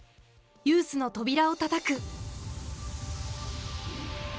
ユースの扉をたたく。